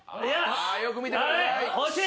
よく見てください。